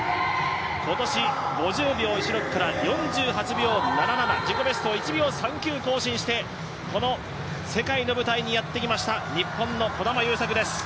今年５０秒１６から、４８秒７７、自己ベストを１秒３９更新して世界の舞台にやってきました日本の児玉悠作です。